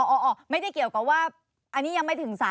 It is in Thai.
ไม่ได้เกี่ยวกับว่าอันนี้ยังไม่ถึงสาร